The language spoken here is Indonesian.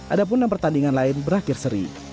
ada pun enam pertandingan lain berakhir seri